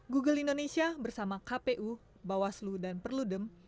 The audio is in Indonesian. google indonesia bersama kpu bawaslu dan perludem